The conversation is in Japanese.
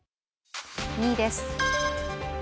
２位です。